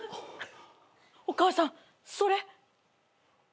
お母さんそれ。